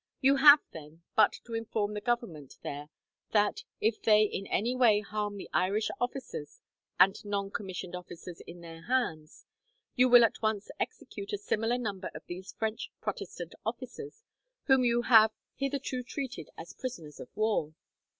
You have, then, but to inform the government there that, if they in any way harm the Irish officers and noncommissioned officers in their hands, you will at once execute a similar number of these French Protestant officers, whom you have hitherto treated as prisoners of war.